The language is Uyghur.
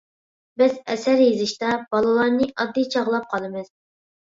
بىز ئەسەر يېزىشتا بالىلارنى ئاددىي چاغلاپ قالىمىز.